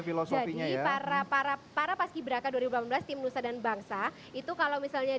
para para para paski braka dua ribu delapan belas tim nusa dan bangsa itu kalau misalnya